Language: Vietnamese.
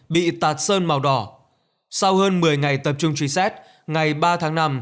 bị tạt sơn màu đỏ sau hơn một mươi ngày tập trung truy xét ngày ba tháng năm